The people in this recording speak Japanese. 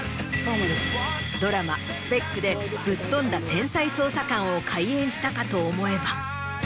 ドラマ『ＳＰＥＣ』でぶっ飛んだ天才捜査官を怪演したかと思えば。